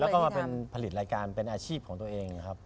แล้วก็มาเป็นผลิตรายการเป็นอาชีพของตัวเองครับ